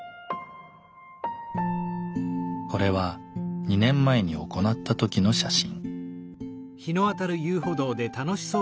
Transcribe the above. これは２年前に行った時の写真。